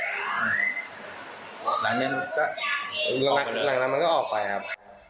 หลังนั้นมันก็ออกไปครับ